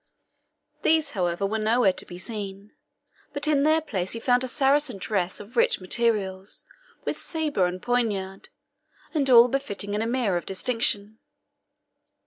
These, however, were nowhere to be seen, but in their place he found a Saracen dress of rich materials, with sabre and poniard, and all befitting an emir of distinction.